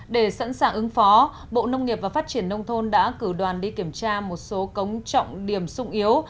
để sẵn sàng ứng phó bộ nông nghiệp và phát triển nông thôn đã cử đoàn đi kiểm tra một số cống trọng điểm sung yếu